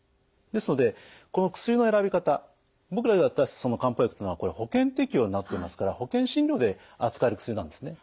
ですのでこの薬の選び方僕らが渡すその漢方薬っていうのは保険適用になっていますから保険診療で扱える薬なんですね。